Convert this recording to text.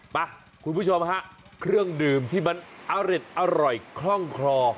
คุณผู้ชมฮะเครื่องดื่มที่มันอร่อยคล่องคลอ